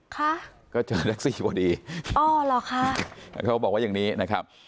ค่ะก็เจอแท็กซี่พอดีอ๋อเหรอคะเขาบอกว่าอย่างนี้นะครับ